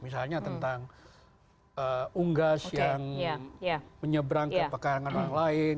misalnya tentang unggas yang menyeberang kepekarangan orang lain